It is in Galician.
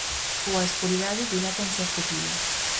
Coa escuridade dilátanse as pupilas.